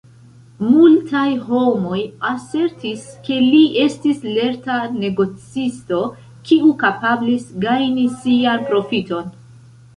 Multaj homoj asertis, ke li estis lerta negocisto, kiu kapablis gajni sian profiton.